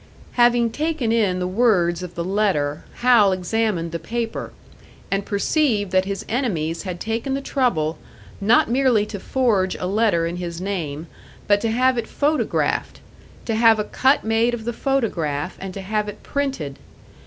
Having taken in the words of the letter, Hal examined the paper, and perceived that his enemies had taken the trouble, not merely to forge a letter in his name, but to have it photographed, to have a cut made of the photograph, and to have it printed.